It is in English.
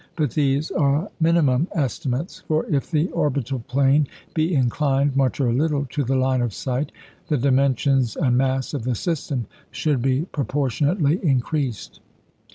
But these are minimum estimates. For if the orbital plane be inclined, much or little, to the line of sight, the dimensions and mass of the system should be proportionately increased.